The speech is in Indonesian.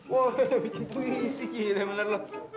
wah puisi gila menurut lo